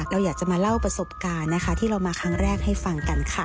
เราอยากจะมาเล่าประสบการณ์นะคะที่เรามาครั้งแรกให้ฟังกันค่ะ